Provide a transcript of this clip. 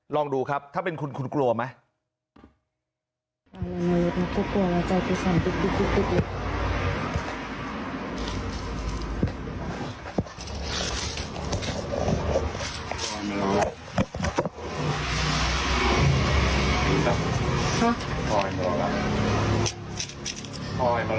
ลองดูครับถ้าเป็นคุณคุณกลัวไหม